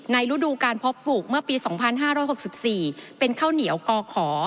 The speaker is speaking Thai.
ในรุดูการพบปลูกเมื่อปีสองพันห้าร้อยหกสิบสี่เป็นข้าวเหนียวกอขอ